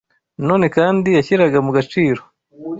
Nanone kandi yashyiraga mu gaciro